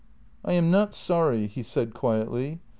" I am not sorry," he said quietly.